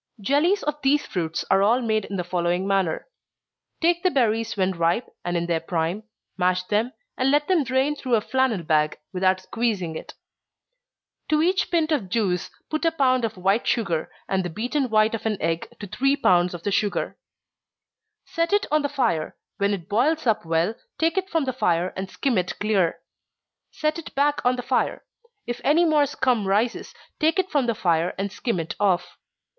_ Jellies of these fruits are all made in the following manner: Take the berries when ripe, and in their prime, mash them, and let them drain through a flannel bag, without squeezing it. To each pint of juice, put a pound of white sugar, and the beaten white of an egg to three pounds of the sugar. Set it on the fire when it boils up well, take it from the fire, and skim it clear. Set it back on the fire if any more scum rises, take it from the fire, and skim it off.